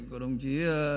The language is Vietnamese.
của đồng chí